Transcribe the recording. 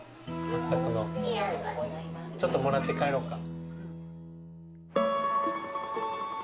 はっさくのちょっともらって帰ろうか。